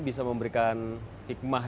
bisa memberikan hikmah